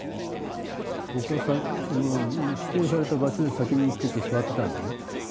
ぼくは指定された場所へ先に行ってて座ってたんですね。